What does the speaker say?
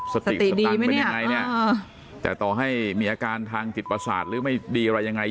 สติดีไหมเนี้ยอ่าแต่ต่อให้มีอาการทางจิตประสาทหรือไม่ดีอะไรยังไง